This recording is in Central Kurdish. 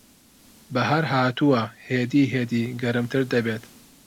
بەھار ھاتووە. ھێدی ھێدی گەرمتر دەبێت.